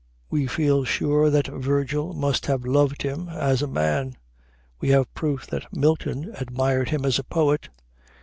We feel sure that Virgil must have loved him as a man; we have proof that Milton admired him as a poet.